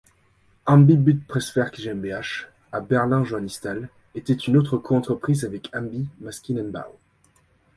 Ambi-Budd Presswerk GmbH à Berlin-Johannisthal était une autre coentreprise avec Ambi Maschinenbau.